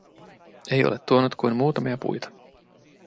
Ei ole tuonut kuin muutamia puita.